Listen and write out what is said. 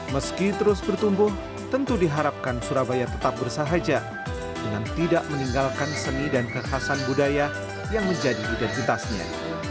meski terus bertumbuh tentu diharapkan surabaya tetap bersahaja dengan tidak meninggalkan seni dan kekhasan budaya yang menjadi identitasnya